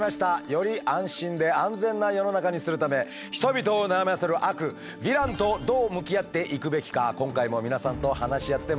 より安心で安全な世の中にするため人々を悩ませる悪ヴィランとどう向き合っていくべきか今回も皆さんと話し合ってまいりましょう。